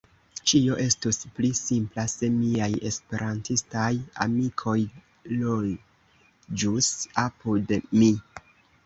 Ĉio estus pli simpla se miaj Esperantistaj amikoj loĝus apud mi.